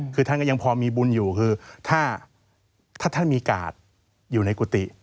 คือท่านก็ยังพอมีบุญอยู่คือถ้าท่านมีกาศอยู่ในกุฏิ